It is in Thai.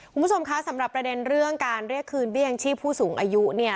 คุณผู้ชมคะสำหรับประเด็นเรื่องการเรียกคืนเบี้ยยังชีพผู้สูงอายุเนี่ย